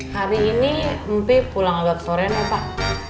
hari ini mpih pulang agak sore nih pak